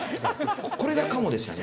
これが鴨でしたね？